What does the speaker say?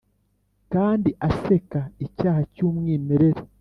kandi aseka icyaha cy'umwimerere.